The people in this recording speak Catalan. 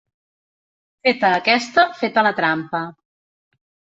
Feta aquesta, feta la trampa.